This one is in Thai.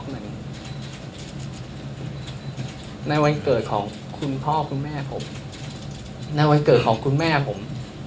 ในวันเกิดของคุณพ่อคุณแม่ผมในวันเกิดของคุณแม่ผม